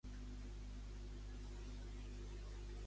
Comí vol que es prohibeixi el tall de la Meridiana.